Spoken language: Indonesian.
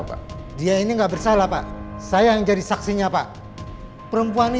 pasti enggak mau ditahan pak